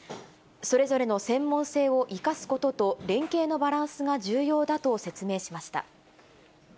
それぞれの専門性を生かすことと連携のバランスが重要だと説明しました。